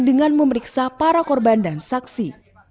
dengan memeriksa para korban dan saksi